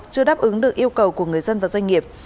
chưa đáp ứng được yêu cầu của người dân và doanh nghiệp